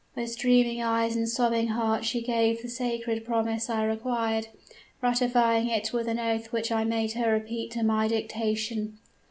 "With streaming eyes and sobbing heart she gave the sacred promise I required, ratifying it with an oath which I made her repeat to my dictation.